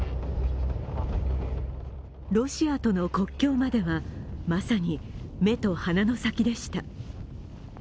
ロシアとの国境まではまさに目と鼻の先でした。